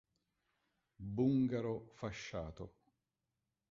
Bungaro fasciato